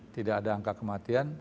tidak ada angka kematian